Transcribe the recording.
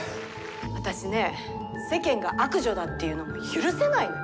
私ね世間が悪女だって言うの許せないのよ。